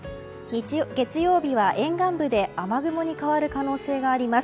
月曜日は沿岸部で雨雲に変わる可能性があります。